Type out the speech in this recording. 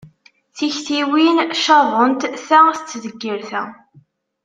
Tiktiwin caḍent, ta tettdeggir ta.